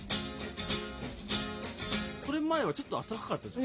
この前はちょっとあったかかったですね。